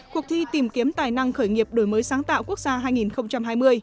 cuộc thi tìm kiếm tài năng khởi nghiệp đổi mới sáng tạo quốc gia hai nghìn hai mươi